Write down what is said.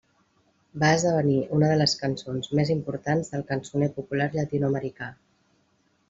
Va esdevenir una de les cançons més importants del cançoner popular llatinoamericà.